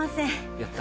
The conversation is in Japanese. やった。